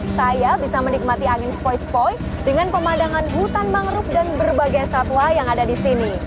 saya bisa menikmati angin sepoi sepoi dengan pemandangan hutan mangrove dan berbagai satwa yang ada di sini